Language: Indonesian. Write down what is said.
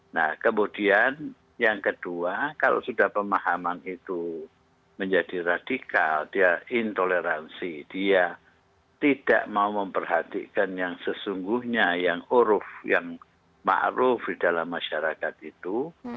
nah kemudian yang kedua kalau sudah pemahaman itu menjadi radikal dia intoleransi dia tidak mau memperhatikan yang sesungguhnya yang uruf yang ⁇ maruf ⁇ di dalam masyarakat itu